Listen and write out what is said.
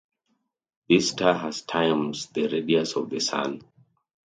This star has times the radius of the Sun.